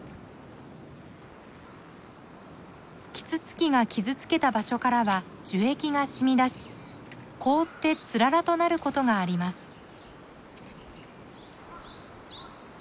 キツツキが傷つけた場所からは樹液がしみだし凍ってつららとなることがあります。